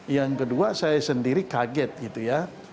yang kedua saya sendiri kaget gitu ya